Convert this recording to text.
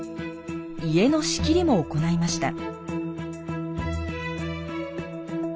家の仕切りも行いました。